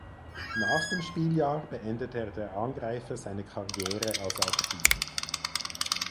Nach dem Spieljahr beendete der Angreifer seine Karriere als Aktiver.